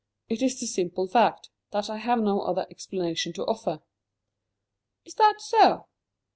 It is the simple fact that I have no other explanation to offer." "Is that so?"